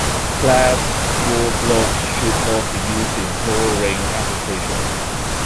Glass wall blocks should not be used in flooring applications.